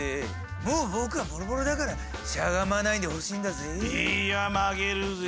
もう僕はボロボロだからしゃがまないでほしいんだぜぇ。